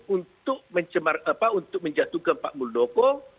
untuk menjatuhkan pak muldoko